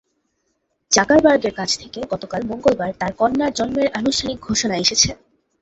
জাকারবার্গের কাছ থেকে গতকাল মঙ্গলবার তাঁর কন্যার জন্মের আনুষ্ঠানিক ঘোষণা এসেছে।